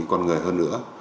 con người hơn nữa